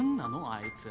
あいつ